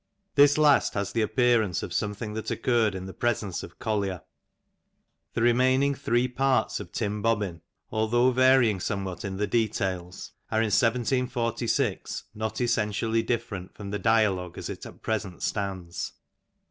This last has the appearance of something that occurred in the presence of Collier. The remaining three parts of Tim Bobbin^ although vary ing somewhat in the details, are in 1746 not essentially different from the dialogue as it at present stands.